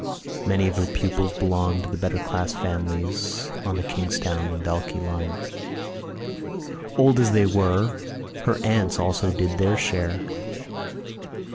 Many of her pupils belonged to the better class families on the Kingstown and Dalkey line. Old as they were, her aunts also did their share.